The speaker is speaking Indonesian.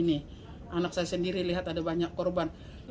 anak saya sendiri lihat ada banyak korban